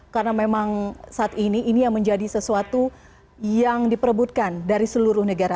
karena memang saat ini ini yang menjadi sesuatu yang diperebutkan dari seluruh negara